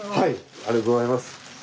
ありがとうございます。